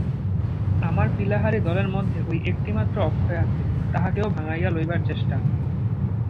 আমার পিলাহারী দলের মধ্যে ঐ একটিমাত্র অক্ষয় আছে, তাহাকেও ভাঙাইয়া লইবার চেষ্টা!